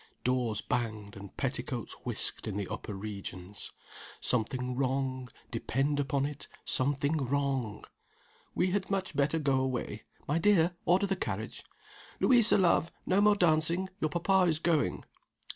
Doors banged and petticoats whisked in the upper regions. Something wrong depend upon it, something wrong! "We had much better go away. My dear, order the carriage" "Louisa, love, no more dancing; your papa is going."